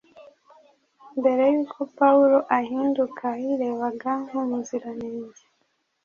Mbere y’uko Pawulo ahinduka yirebaga nk’umuziranenge